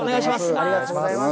ありがとうございます。